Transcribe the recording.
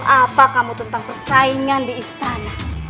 apa kamu tentang persaingan di istana